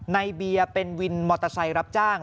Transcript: ในเบียร์เป็นวินมอเตอร์ไซค์รับจ้าง